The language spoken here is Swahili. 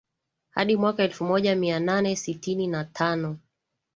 hadi mwaka elfumoja mianane sitini na tano